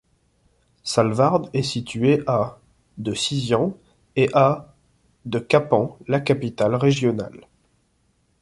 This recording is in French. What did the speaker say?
Salvard est située à de Sisian et à de Kapan, la capitale régionale.